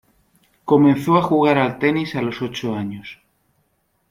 Comenzó a jugar al tenis a los ocho años.